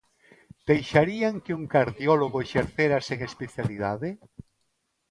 ¿Deixarían que un cardiólogo exercera sen especialidade?